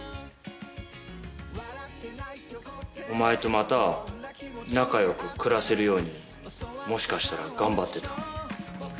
お前とまた仲良く暮らせるようにもしかしたら頑張ってた？